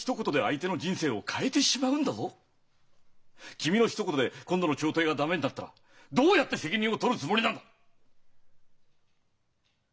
君のひと言で今度の調停が駄目になったらどうやって責任を取るつもりなんだ！